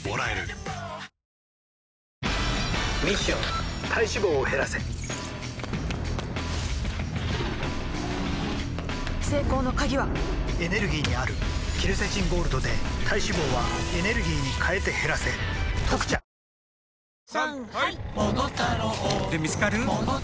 ミッション体脂肪を減らせ成功の鍵はエネルギーにあるケルセチンゴールドで体脂肪はエネルギーに変えて減らせ「特茶」ベイクド！